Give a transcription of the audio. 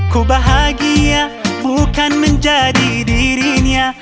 ku bahagia bukan menjadi dirinya